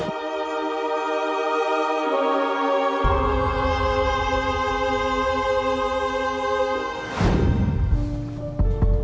jangan pukul bener gak